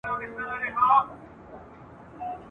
کتاب د انسان د فکر بنسټ پياوړی کوي او د ژوند لوری سم ټاکي !.